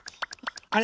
あれ？